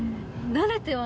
慣れてる。